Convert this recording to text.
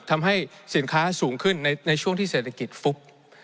ทำให้สินค้าสูงขึ้นในช่วงที่เศรษฐกิจฟุบ